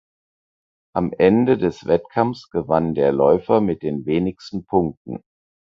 Am Ende des Wettkampfs gewann der Läufer mit den wenigsten Punkten.